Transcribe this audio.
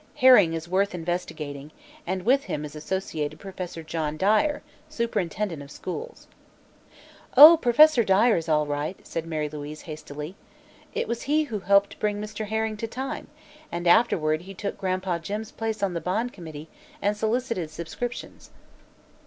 Herring is worth investigating, and with him is associated Professor John Dyer, superintendent of schools." "Oh, Professor Dyer is all right," said Mary Louise hastily. "It was he who helped bring Mr. Herring to time, and afterward he took Gran'pa Jim's place on the Bond Committee and solicited subscriptions."